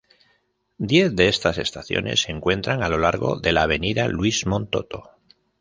Diez de estas estaciones se encuentran a lo largo de la avenida Luis Montoto.